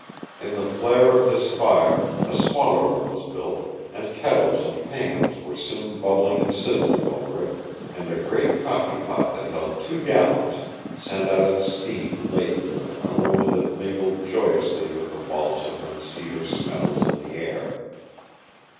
In the flare of this fire a smaller one was built, and kettles and pans were soon bubbling and sizzling over it, and a great coffee pot that held two gallons sent out its steam laden with an aroma that mingled joyously with the balsam and cedar smells in the air.